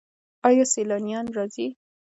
آیا سیلانیان راځي؟